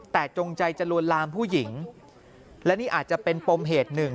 แต่จงใจจะลวนลามผู้หญิงและนี่อาจจะเป็นปมเหตุหนึ่ง